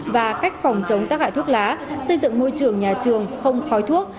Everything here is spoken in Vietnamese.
và cách phòng chống tác hại thuốc lá xây dựng môi trường nhà trường không khói thuốc